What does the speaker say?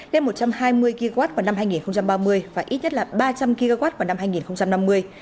lên một trăm hai mươi gigawatt vào năm hai nghìn ba mươi và ít nhất là ba trăm linh kw vào năm hai nghìn năm mươi